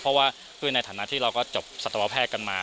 เพราะว่าคือในฐานะที่เราก็จบสัตวแพทย์กันมา